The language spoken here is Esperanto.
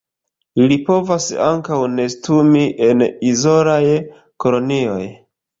Ili povas ankaŭ nestumi en izolaj kolonioj.